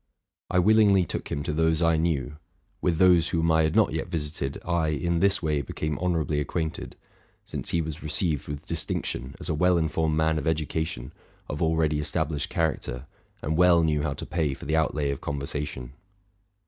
_ I willingly took him to those I knew: with those whom I had not yet visited, I in this way became honorably acquainted; since he was received with distinction as a well informed man of educa tion, of already established character, and well knew how to pay for the outlay of conversation.